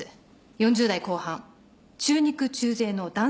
４０代後半中肉中背の男性です。